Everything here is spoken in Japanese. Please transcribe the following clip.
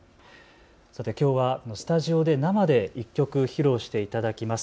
きょうはスタジオで生で１曲、披露していただきます。